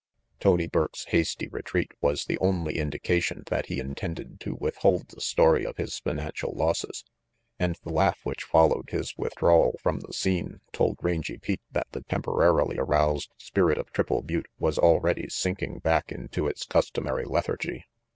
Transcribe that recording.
Tony Burke's hasty retreat was the only indication that he intended to withhold the story of his financial losses, and the laugh which followed his withdrawal from the scene told Rangy Pete that the temporarily aroused spirit of Triple Butte was already sinking back into its customary lethargy.